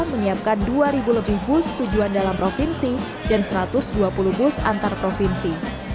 menyiapkan dua lebih bus tujuan dalam provinsi dan satu ratus dua puluh bus antar provinsi